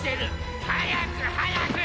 早く早く！